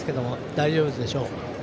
大丈夫でしょう。